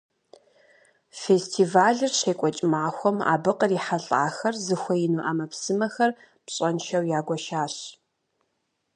Фестивалыр щекӀуэкӀ махуэм, абы кърихьэлӀахэр зыхуеину Ӏэмэпсымэхэр пщӀэншэу ягуэшащ.